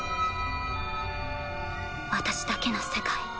私だけの世界。